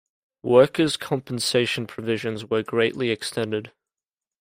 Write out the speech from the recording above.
Workers' compensation provisions were greatly extended.